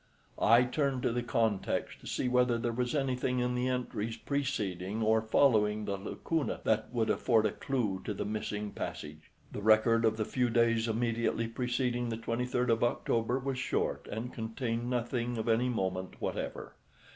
I turned to the context to see whether there was anything in the entries preceding or following the lacuna that would afford a clue to the missing passage. The record of the few days immediately preceding the 23d of October was short and contained nothing of any moment whatever.